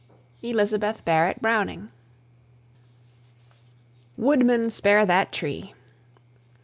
ELIZABETH BARRETT BROWNING. WOODMAN, SPARE THAT TREE!